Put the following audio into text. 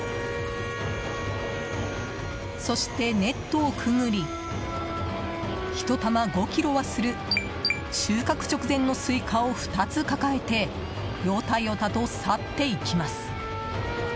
そして、ネットをくぐり１玉５ｋｇはする収穫直前のスイカを２つ抱えてヨタヨタと去っていきます。